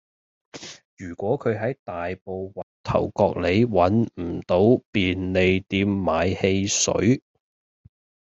如果佢喺大埔運頭角里搵唔到便利店買汽水